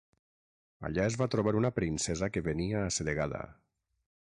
Allà es va trobar una princesa que venia assedegada.